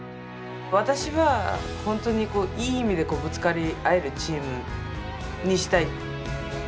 私は本当にいい意味でぶつかり合えるチームにしたい。